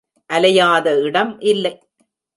அலையாத இடம் இல்லை.